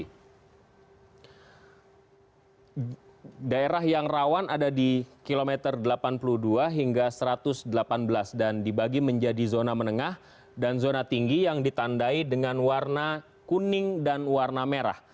jadi daerah yang rawan ada di kilometer delapan puluh dua hingga satu ratus delapan belas dan dibagi menjadi zona menengah dan zona tinggi yang ditandai dengan warna kuning dan warna merah